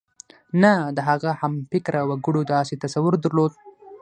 نه د هغه همفکره وګړو داسې تصور درلود.